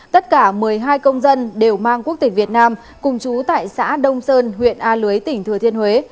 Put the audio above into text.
tất cả một mươi hai công dân đều mang quốc tịch việt nam cùng chú tại xã đông sơn huyện a lưới tỉnh thừa thiên huế